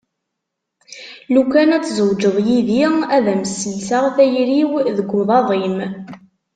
Lukan ad tzewǧeḍ yid-i ad am-sselseɣ tayri-w deg uḍad-im.